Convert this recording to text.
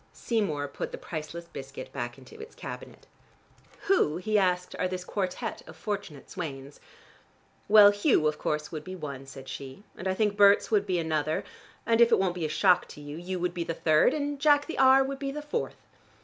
Seymour put the priceless biscuit back into its cabinet. "Who," he asked, "are this quartette of fortunate swains?" "Well, Hugh of course would be one," said she, "and I think Berts would be another. And if it won't be a shock to you, you would be the third, and Jack the R. would be the fourth.